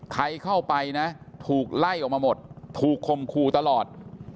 ใครเข้าไปนะถูกไล่ออกมาหมดถูกคมคู่ตลอด